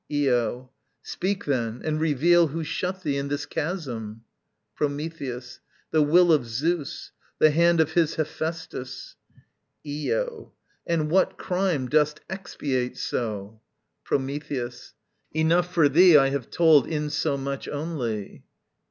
Io. Speak then, and reveal Who shut thee in this chasm. Prometheus. The will of Zeus, The hand of his Hephæstus. Io. And what crime Dost expiate so? Prometheus. Enough for thee I have told In so much only.